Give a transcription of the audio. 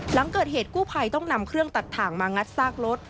หลังเกิดเหตุกู้ภัยต้องนำเครื่องตัดถ่างมางัดซากรถ